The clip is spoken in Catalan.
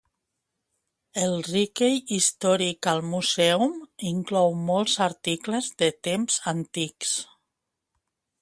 El Richey Historical Museum inclou molts articles de temps antics.